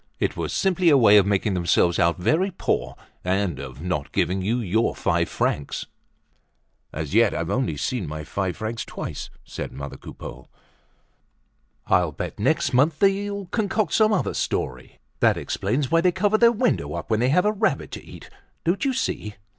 It was simply a way of making themselves out very poor and of not giving you your five francs." "As yet I've only seen my five francs twice," said mother Coupeau. "I'll bet next month they'll concoct some other story. That explains why they cover their window up when they have a rabbit to eat. Don't you see?